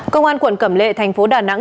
cơ quan quận cẩm lệ thành phố đà nẵng